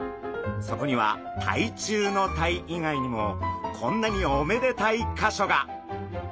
そこには鯛中鯛以外にもこんなにおめでたいかしょが！